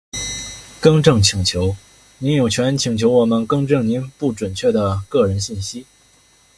更正请求。您有权请求我们更正有关您的不准确的个人信息。